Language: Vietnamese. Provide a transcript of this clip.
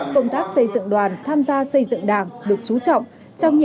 công tác xây dựng đoàn tham gia xây dựng đảng được chú trọng